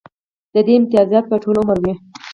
د دې امتیازات به ټول عمر وي